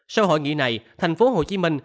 sau hội nghị này thành phố hồ chí minh